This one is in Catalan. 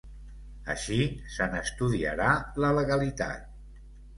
Així, se n’estudiarà la legalitat.